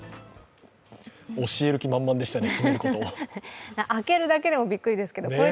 教える気満々でしたね。